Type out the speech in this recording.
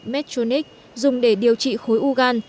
medtronic dùng để điều trị khối ugan